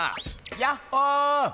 やっほ！